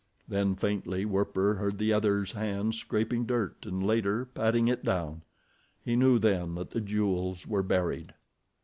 Then, faintly, Werper heard the other's hands scraping dirt, and later patting it down. He knew then that the jewels were buried.